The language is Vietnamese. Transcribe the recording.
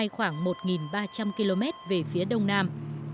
khoảng một ba trăm linh km về phía đông nam